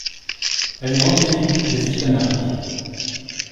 Elle est endémique des îles Canaries.